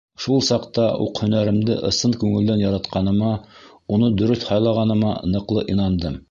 — Шул саҡта уҡ һөнәремде ысын күңелдән яратҡаныма, уны дөрөҫ һайлағаныма ныҡлы инандым.